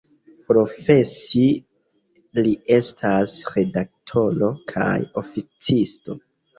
Profesie li estas redaktoro kaj oficisto.